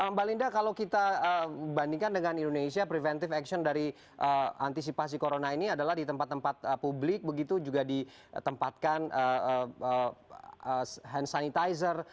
mbak linda kalau kita bandingkan dengan indonesia preventive action dari antisipasi corona ini adalah di tempat tempat publik begitu juga ditempatkan hand sanitizer